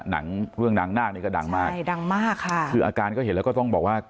หนังเรื่องนางนากนี่ก็ดังมากคืออาการก็เห็นแล้วก็ต้องบอกว่า